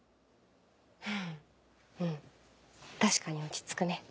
フフうん確かに落ち着くね。